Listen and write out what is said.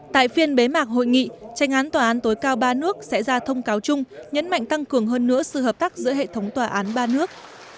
tại phiên bế mạc hội nghị tranh án tòa án tối cao ba nước sẽ ra thông cáo chung nhấn mạnh tăng cường hơn nữa sự hợp tác giữa hệ thống tòa án ba nước